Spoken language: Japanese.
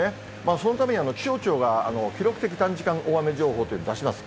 そのために気象庁が記録的短時間大雨情報というのを出します。